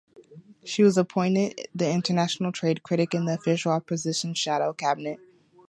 She was appointed the International Trade critic in the Official Opposition Shadow Cabinet.